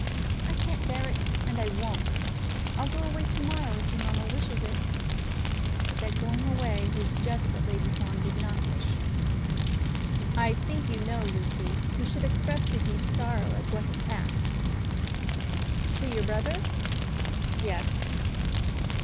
I can't bear it, and I won't. I'll go away to morrow, if your mamma wishes it." But that going away was just what Lady Fawn did not wish. "I think you know, Lucy, you should express your deep sorrow at what has passed." "To your brother?" "Yes."